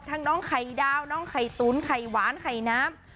น้องไข่ดาวน้องไข่ตุ๋นไข่หวานไข่น้ำ